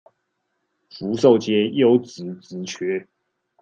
福壽街優質職缺